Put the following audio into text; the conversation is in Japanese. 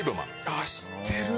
あっ知ってる。